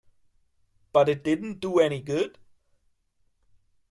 But it didn't do any good?